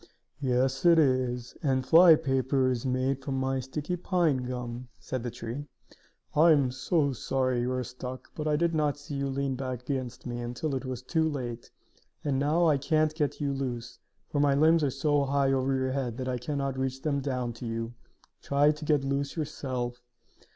"Yes, it is; and flypaper is made from my sticky pine gum," said the tree. "I am so sorry you are stuck, but I did not see you lean back against me until it was too late. And now I can't get you loose, for my limbs are so high over your head that I can not reach them down to you. Try to get loose yourself."